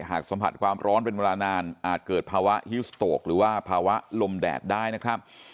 หากสัมผัสความร้อนเป็นเวลานานอาจเกิดภาวะฮิวสโตกหรือว่าภาวะลมแดดได้นะครับ